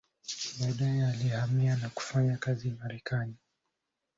Baadaye alihamia na kufanya kazi Marekani.